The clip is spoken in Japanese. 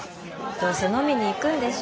どうせ飲みに行くんでしょ。